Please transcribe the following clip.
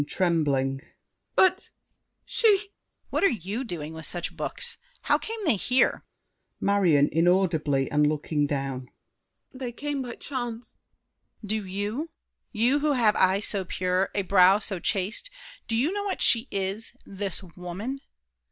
(trembling). But—she— DIDIER. What are you doing with such books? How came they here? MARION. (inaudibly, and looking down). They came by chance. DIDIER. Do you— You who have eyes so pure, a brow so chaste— Do you know what she is—this woman?